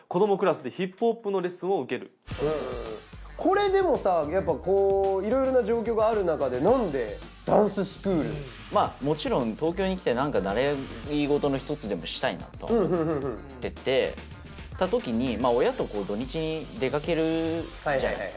これでもさやっぱいろいろな状況があるなかでまあもちろん東京に来てなんか習い事の１つでもしたいなと思ってたときに親と土日に出かけるじゃない。